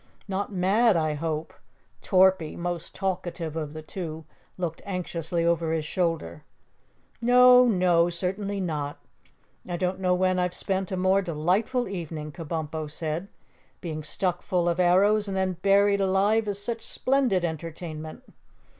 "Not mad, I hope?" Torpy, most talkative of the two, looked anxiously over his shoulder. "No, no certainly not. I don't know when I've spent a more delightful evening," Kabumpo said. "Being stuck full of arrows and then buried alive is such splendid entertainment."